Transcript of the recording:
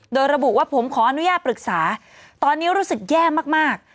โดยระบุว่าผมขออนุญาตปรึกษาตอนนี้รู้สึกแย่มาก